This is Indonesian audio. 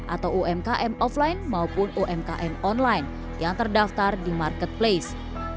atau umkm offline maupun umkm online yang terdaftar di marketplace